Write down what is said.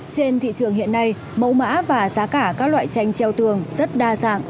trên thị trường hiện nay mẫu mã và giá cả các loại tranh treo tường rất đa dạng